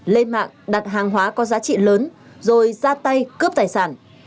lên mạng đặt hàng hóa có giá trị lớn rồi ra tay cướp tài sản